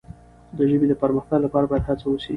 د ژبې د پرمختګ لپاره باید هڅه وسي.